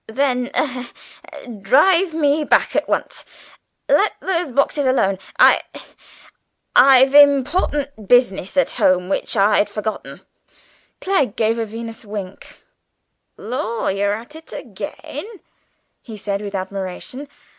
"Then, ah drive me back at once. Let those boxes alone. I I've important business at home which I'd forgotten." Clegg gave a vinous wink. "Lor, yer at it agin," he said with admiration.